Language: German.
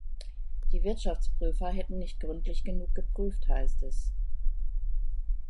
Die Wirtschaftsprüfer „hätten nicht gründlich genug geprüft“, heißt es.